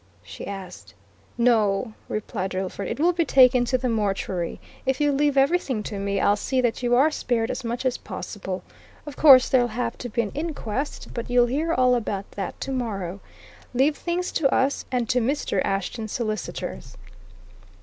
she asked. "No," replied Drillford. "It will be taken to the mortuary. If you'll leave everything to me, I'll see that you are spared as much as possible. Of course, there'll have to be an inquest but you'll hear all about that tomorrow. Leave things to us and to Mr. Ashton's solicitors."